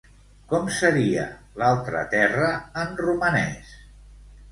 Com seria "l'altra terra" en romanès?